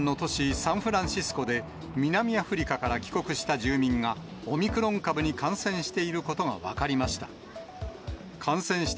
サンフランシスコで、南アフリカから帰国した住民が、オミクロン株に感染していることが分かりました。